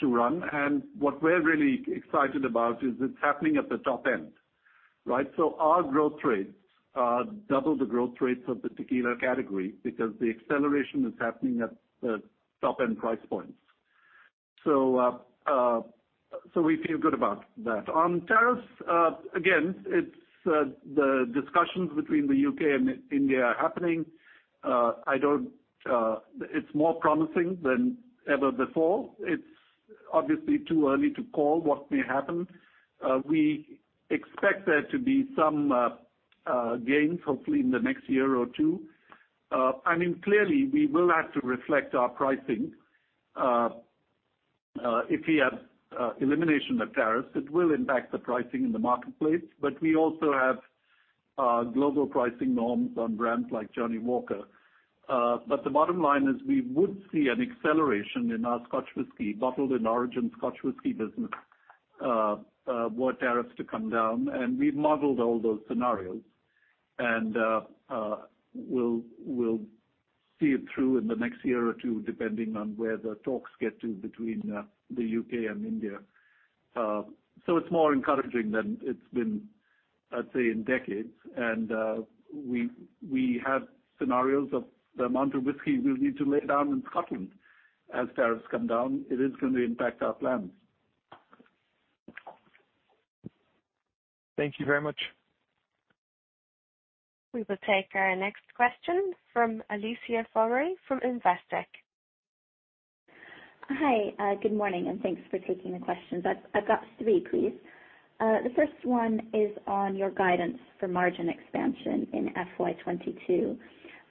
to run, and what we're really excited about is it's happening at the top end. Right? Our growth rates double the growth rates of the Tequila category because the acceleration is happening at the top-end price points. We feel good about that. On tariffs, again, the discussions between the U.K. and India are happening. It's more promising than ever before. It's obviously too early to call what may happen. We expect there to be some gains, hopefully in the next year or two. Clearly, we will have to reflect our pricing. If we have elimination of tariffs, it will impact the pricing in the marketplace, but we also have global pricing norms on brands like Johnnie Walker. The bottom line is we would see an acceleration in our Scotch whisky, bottled in origin Scotch whisky business, were tariffs to come down. We've modeled all those scenarios, and we'll see it through in the next year or two, depending on where the talks get to between the U.K. and India. It's more encouraging than it's been, I'd say, in decades. We have scenarios of the amount of whisky we'll need to lay down in Scotland as tariffs come down. It is going to impact our plans. Thank you very much. We will take our next question from Alicia Forry from Investec. Hi. Good morning, and thanks for taking the questions. I've got three, please. The first one is on your guidance for margin expansion in FY 2022.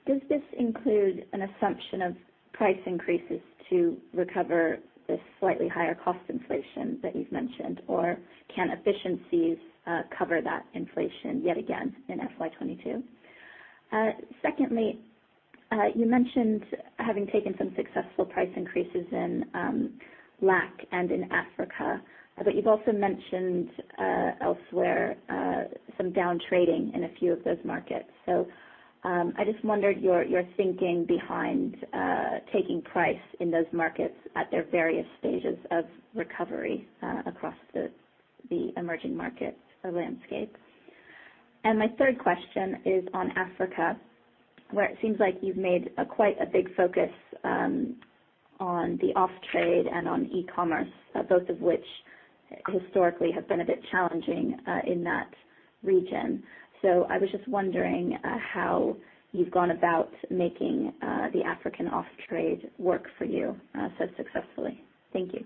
Does this include an assumption of price increases to recover the slightly higher cost inflation that you've mentioned, or can efficiencies cover that inflation yet again in FY 2022? Secondly, you mentioned having taken some successful price increases in LAC and in Africa, but you've also mentioned elsewhere some down trading in a few of those markets. I just wondered your thinking behind taking price in those markets at their various stages of recovery across the emerging markets landscape. My third question is on Africa, where it seems like you've made quite a big focus on the off-trade and on e-commerce, both of which historically have been a bit challenging in that region. I was just wondering how you've gone about making the African off-trade work for you so successfully? Thank you.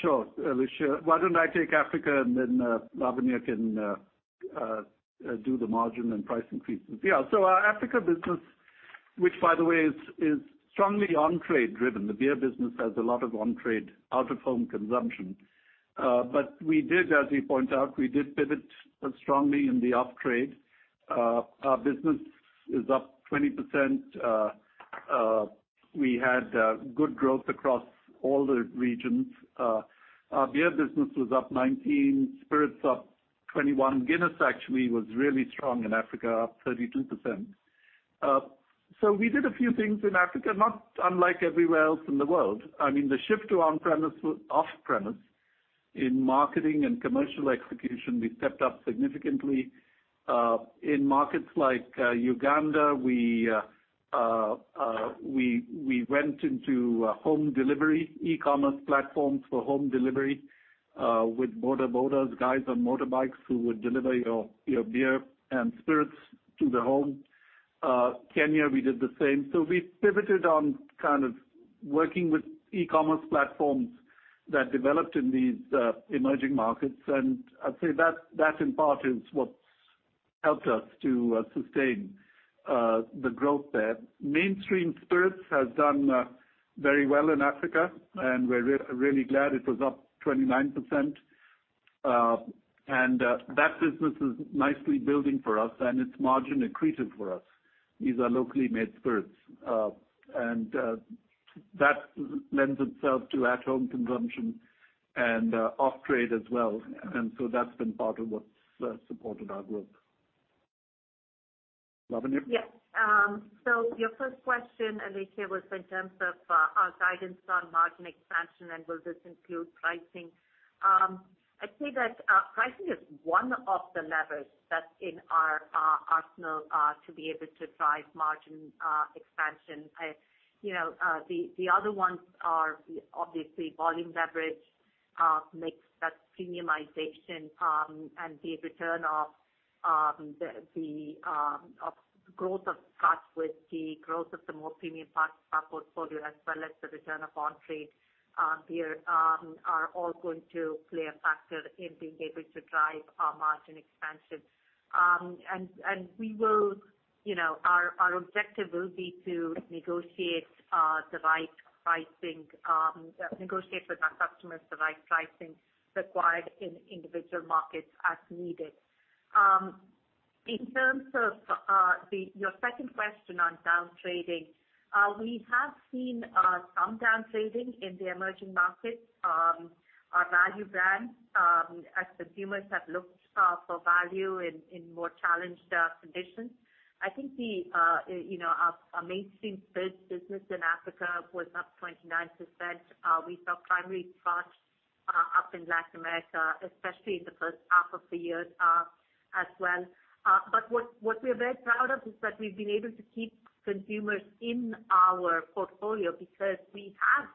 Sure, Alicia. Why don't I take Africa, and then Lavanya can do the margin and price increases? Yeah. Our Africa business, which by the way, is strongly on-trade driven. The beer business has a lot of on-trade, out-of-home consumption. We dis, as you point out, we did pivot strongly in the off-trade. Our business is up 20%. We had good growth across all the regions. Our beer business was up 19%, spirits up 21%. Guinness actually was really strong in Africa, up 32%. We did a few things in Africa, not unlike everywhere else in the world. The shift to off-premise in marketing and commercial execution, we stepped up significantly. In markets like Uganda, we went into home delivery, e-commerce platforms for home delivery, with boda bodas, guys on motorbikes who would deliver your beer and spirits to the home. Kenya, we did the same. We pivoted on working with e-commerce platforms that developed in these emerging markets, and I'd say that in part is what's helped us to sustain the growth there. Mainstream Spirits has done very well in Africa, and we're really glad. It was up 29%. That business is nicely building for us, and it's margin accretive for us. These are locally made spirits. That lends itself to at-home consumption and off-trade as well. That's been part of what's supported our growth. Lavanya Chandrashekar? Yes. Your first question, Alicia, was in terms of our guidance on margin expansion and will this include pricing. I'd say that pricing is one of the levers that's in our arsenal to be able to drive margin expansion. The other ones are obviously volume leverage, mix, that's premiumization, and the return of the growth of Scotch with the growth of the more premium part of our portfolio, as well as the return of on-trade beer, are all going to play a factor in being able to drive our margin expansion. Our objective will be to negotiate with our customers the right pricing required in individual markets as needed. In terms of your second question on down-trading, we have seen some down-trading in the emerging markets, our value brand, as consumers have looked for value in more challenged conditions. I think our Mainstream Spirits business in Africa was up 29%. We saw primary Scotch up in Latin America, especially in the first half of the year as well. What we're very proud of is that we've been able to keep consumers in our portfolio because we have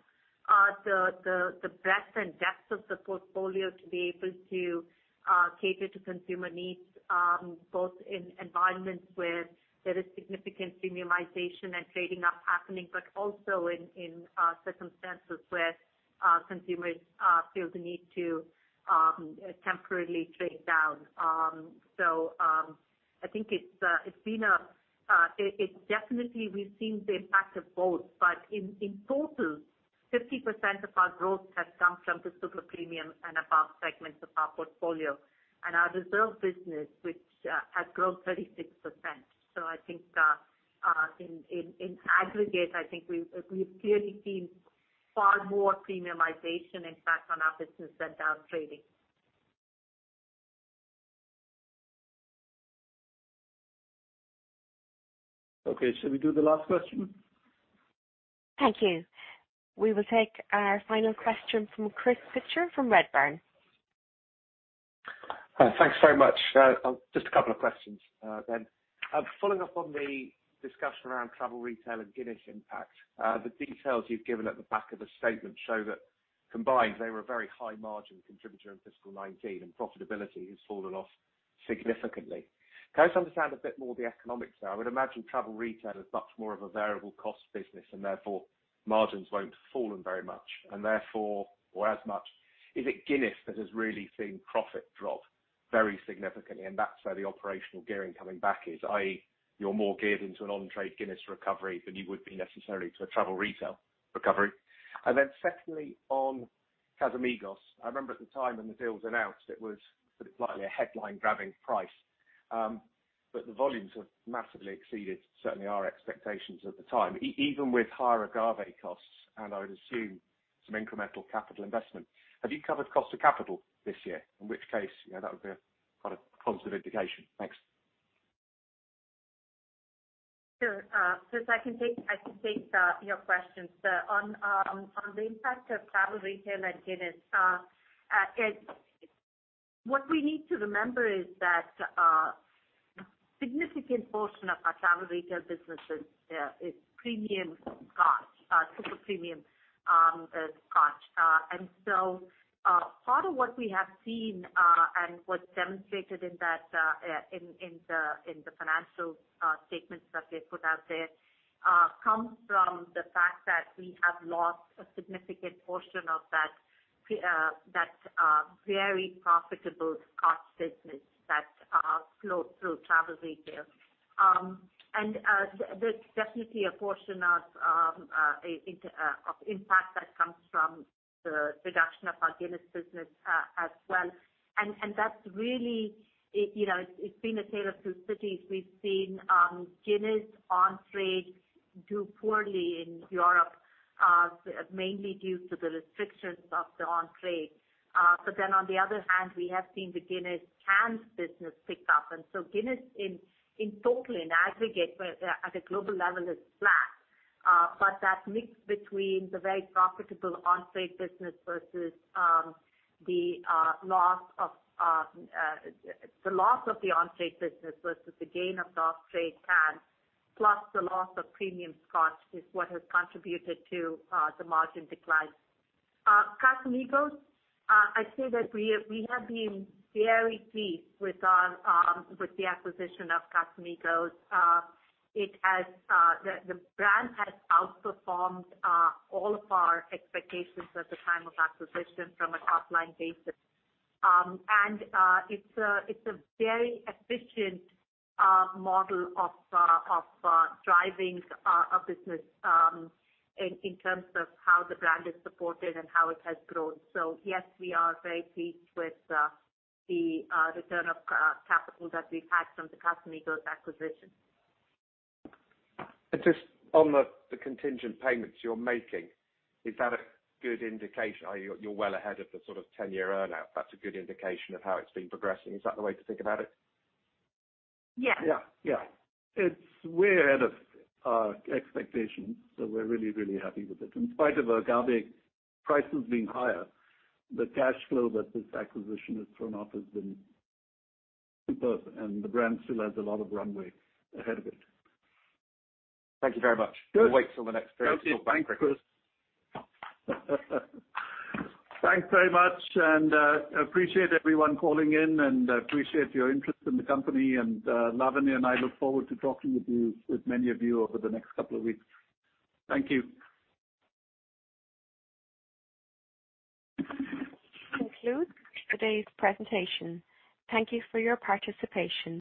the breadth and depth of the portfolio to be able to cater to consumer needs, both in environments where there is significant premiumization and trading up happening, also in circumstances where consumers feel the need to temporarily trade down. I think definitely we've seen the impact of both. In total, 50% of our growth has come from the super premium and above segments of our portfolio and our Reserve business, which has grown 36%. I think in aggregate, I think we've clearly seen far more premiumization impact on our business than down-trading. Okay. Shall we do the last question? Thank you. We will take our final question from Chris Pitcher from Redburn. Thanks very much. Just a couple of questions then. Following up on the discussion around travel retail and Guinness impact, the details you've given at the back of the statement show that combined, they were a very high margin contributor in fiscal 2019, and profitability has fallen off significantly. Can I just understand a bit more of the economics there? I would imagine travel retail is much more of a variable cost business and therefore margins won't have fallen very much, or as much. Is it Guinness that has really seen profit drop very significantly, and that's where the operational gearing coming back is, i.e., you're more geared into an on-trade Guinness recovery than you would be necessarily to a travel retail recovery? Secondly, on Casamigos. I remember at the time when the deal was announced, it was slightly a headline grabbing price. The volumes have massively exceeded certainly our expectations at the time, even with higher agave costs and I would assume some incremental capital investment. Have you covered cost of capital this year? In which case, that would be a positive indication. Thanks. Sure. Chris, I can take your questions. On the impact of travel retail and Guinness, what we need to remember is that a significant portion of our travel retail businesses is premium Scotch, super premium Scotch. Part of what we have seen and what's demonstrated in the financial statements that we put out there comes from the fact that we have lost a significant portion of that very profitable Scotch business that flowed through travel retail. There's definitely a portion of impact that comes from the reduction of our Guinness business as well. That's really, it's been a tale of two cities. We've seen Guinness on-trade do poorly in Europe mainly due to the restrictions of the on-trade. On the other hand, we have seen the Guinness cans business pick up. Guinness in total, in aggregate, at a global level is flat. That mix between the very profitable on-trade business versus the loss of the on-trade business versus the gain of the off-trade cans, plus the loss of premium Scotch, is what has contributed to the margin decline. Casamigos, I'd say that we have been very pleased with the acquisition of Casamigos. The brand has outperformed all of our expectations at the time of acquisition from a top-line basis. It's a very efficient model of driving a business in terms of how the brand is supported and how it has grown. Yes, we are very pleased with the return of capital that we've had from the Casamigos acquisition. Just on the contingent payments you're making, is that a good indication, are you well ahead of the sort of 10-year earn out? That's a good indication of how it's been progressing. Is that the way to think about it? Yes. Yeah. We're ahead of our expectations, so we're really, really happy with it. In spite of agave prices being higher, the cash flow that this acquisition has thrown off has been superb, and the brand still has a lot of runway ahead of it. Thank you very much. Good. We'll wait till the next period to talk. [inaudible] Okay. Thanks, Chris. Thanks very much, and appreciate everyone calling in, and appreciate your interest in the company. Lavanya and I look forward to talking with many of you over the next couple of weeks. Thank you. That concludes today's presentation. Thank you for your participation.